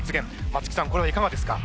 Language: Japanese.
松木さんこれはいかがですか？